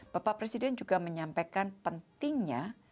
bapak presiden juga menyampaikan pentingnya